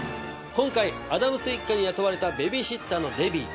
今回アダムス一家に雇われたベビーシッターのデビー。